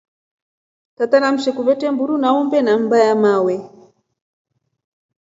Tata na msheku vete umbe a mburu na mmba ya mawe.